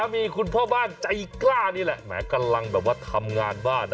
มีคุณพ่อบ้านใจกล้านี่แหละแหมกำลังแบบว่าทำงานบ้านนะ